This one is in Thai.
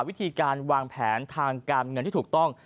วิธีการวางแผนทางการเงินที่ถูกต้อง